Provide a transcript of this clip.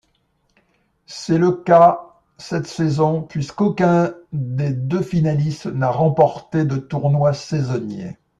C'est le cas cette saison puisqu'aucun des deux finalistes n'a remporté de tournoi saisonnier.